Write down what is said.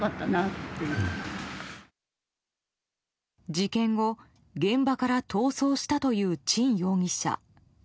事件後、現場から逃走したというチン容疑者。